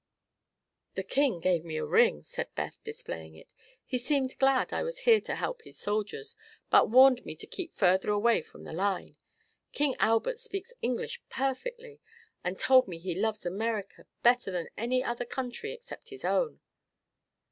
"The king gave me a ring," said Beth, displaying it. "He seemed glad I was here to help his soldiers, but warned me to keep further away from the line. King Albert speaks English perfectly and told me he loves America better than any other country except his own."